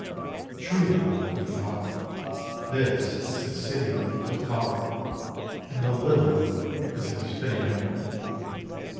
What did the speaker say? "Truly," he thought, "this is the city of the flower, and the lily is its fitting emblem."